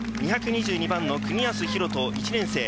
２２２番の國安広人、１年生。